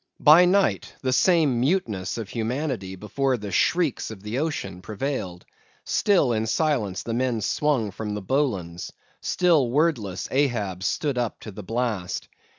By night the same muteness of humanity before the shrieks of the ocean prevailed; still in silence the men swung in the bowlines; still wordless Ahab stood up to the blast.